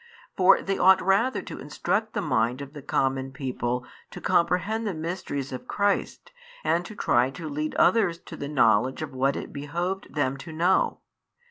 For they ought rather to instruct the mind of the common people to comprehend the mysteries of Christ, and to try to lead |38 others to the knowledge of what it behoved them to know.